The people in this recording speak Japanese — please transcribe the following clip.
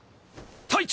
隊長！